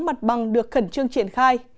mặt bằng được khẩn trương triển khai